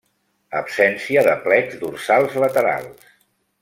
Absència de plecs dorsals laterals.